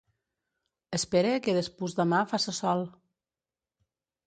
Espere que despús demà faça sol.